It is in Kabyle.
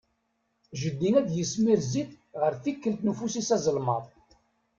Jeddi ad d-ismir zzit ɣer tdikelt n ufus-is azelmaḍ.